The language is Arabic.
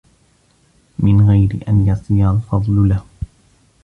مِنْ غَيْرِ أَنْ يَصِيرَ الْفَضْلُ لَهُ